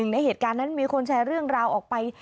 ในเหตุการณ์นั้นมีคนแชร์เรื่องราวออกไป